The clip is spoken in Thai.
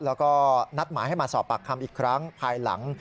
แล้วก็นัดหมายให้มาสอบปากคำอีกครั้งภายหลัง